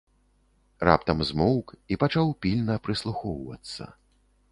Раптам змоўк і пачаў пільна прыслухоўвацца.